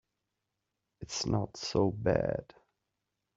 It's not so bad.